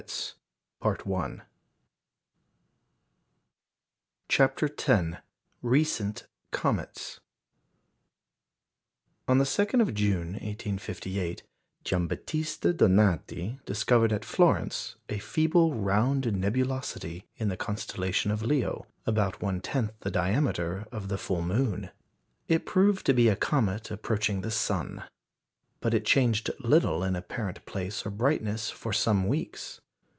ii., p. 76.] CHAPTER X RECENT COMETS On the 2nd of June, 1858, Giambattista Donati discovered at Florence a feeble round nebulosity in the constellation Leo, about one tenth the diameter of the full moon. It proved to be a comet approaching the sun. But it changed little in apparent place or brightness for some weeks.